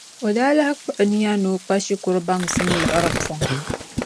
O daa lahi kpuɣi niya ni o kpa shikuru baŋsim liɣiri pɔŋ.